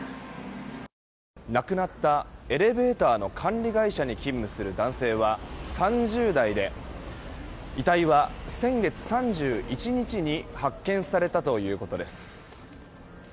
亡くなったエレベーターの管理会社に勤務する男性は３０代で遺体は先月３１日に発見されたということです。